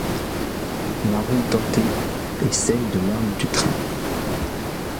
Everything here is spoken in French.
La roue dentée est celle de l’arme du Train.